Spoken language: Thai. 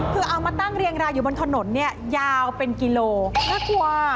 คือเอามาตั้งเรียงรายอยู่บนถนนเนี่ยยาวเป็นกิโลน่ากลัว